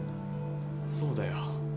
そうだよ。